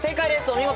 お見事。